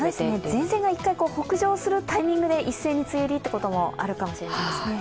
前線が北上するタイミングで一斉に梅雨入りということもあるかもしれないですね。